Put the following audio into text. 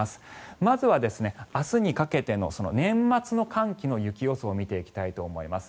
まずは明日にかけての年末の寒気の雪予想を見ていきたいと思います。